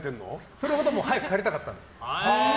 それほど早く帰りたかったんです。